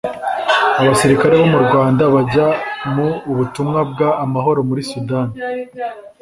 Abasirikare bo murwanda bajya mu ubutumwa bwa amahoro muri sudani